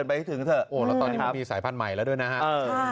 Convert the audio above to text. ไม่เห็นอะไรเลยนะครับ